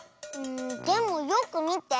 でもよくみて。